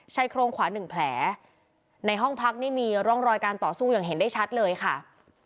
โครงขวาหนึ่งแผลในห้องพักนี่มีร่องรอยการต่อสู้อย่างเห็นได้ชัดเลยค่ะ